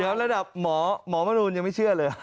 เดี๋ยวระดับหมอหมอมนูลยังไม่เชื่อเลย